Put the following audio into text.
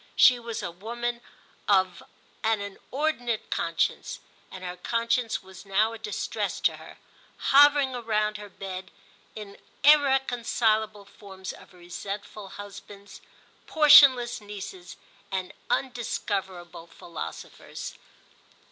She was a woman of an inordinate conscience, and her conscience was now a distress to her, hovering round her bed in irreconcilable forms of resentful husbands, portionless nieces and undiscoverable philosophers.